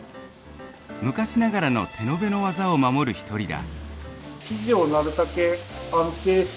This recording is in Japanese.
昔ながらの手延べの技を守る一人だ。